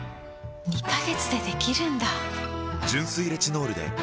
２カ月でできるんだ！